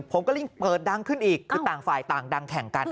ผมก็ยิ่งเปิดดังขึ้นอีกคือต่างฝ่ายต่างดังแข่งกัน